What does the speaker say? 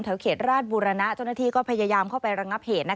ท้าวเขตราดบุรณะจนนาทีก็พยายามเข้าไปรังงับเหตุ